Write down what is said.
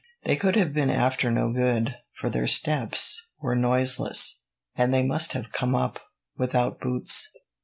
They could have been after no good, for their steps were noiseless, and they must have come up without boots."